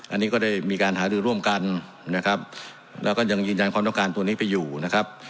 อันนี้ก็ได้มีการหารือร่วมกันนะครับแล้วก็ยังยืนยันความต้องการตัวนี้ไปอยู่นะครับ